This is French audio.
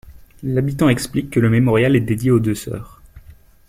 L'habitant explique que le mémorial est dédié aux deux sœurs.